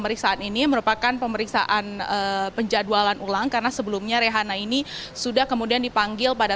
pemeriksaan ini merupakan pemeriksaan penjadwalan ulang karena sebelumnya rehana ini sudah kemudian dipanggil pada